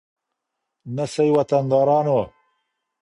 نه سئ وطندارانو